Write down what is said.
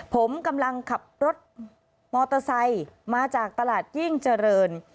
ผมกำลังขับรถมอเตอร์ไซค์มาจากตลาดยิ่งเจริญ